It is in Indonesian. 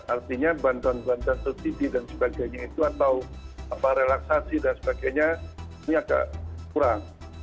artinya bantuan bantuan subsidi dan sebagainya itu atau relaksasi dan sebagainya ini agak kurang